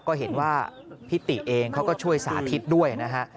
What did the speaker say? ก็เห็นว่าพี่ติเองเขาก็ช่วยสาธิตด้วยนะฮะ